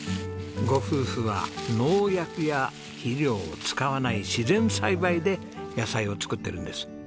ご夫婦は農薬や肥料を使わない自然栽培で野菜を作ってるんです。